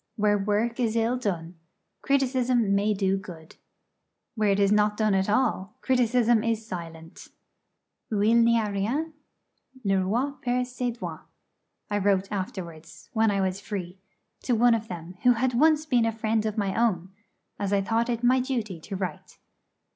Where work is ill done, criticism may do good. Where it is not done at all, criticism is silent. 'Où il n'y a rien, le roi perd ses droits.' I wrote afterwards, when I was free, to one of them, who had been once a friend of my own, as I thought it my duty to write.